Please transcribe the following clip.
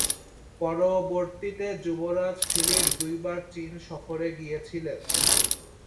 পরবর্তীতে যুবরাজ ফিলিপ দুইবার চীন সফরে গিয়েছিলেন।